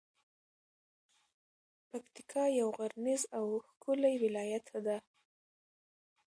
پکتیکا یو غرنیز او ښکلی ولایت ده.